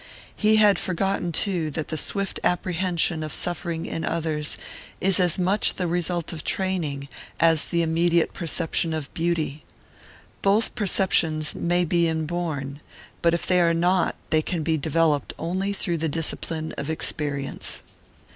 He had forgotten, too, that the swift apprehension of suffering in others is as much the result of training as the immediate perception of beauty. Both perceptions may be inborn, but if they are not they can be developed only through the discipline of experience.